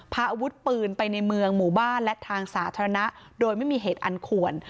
พาอาวุธปืนไปในเมืองหมู่บ้านและทางสาธารณะโดยไม่มีเหตุอันควร